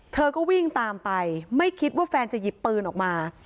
เธอก็วิ่งตามไปไม่คิดว่าแฟนจะหยิบปืนออกมา